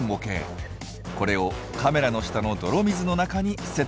これをカメラの下の泥水の中にセットします。